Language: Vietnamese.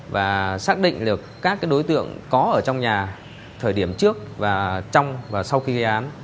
và xác định được các đối tượng có ở trong nhà thời điểm trước và trong và sau khi gây án